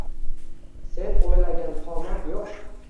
Sen soʻylagan qomat yoʻq